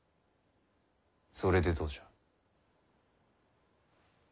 それでどうじゃ？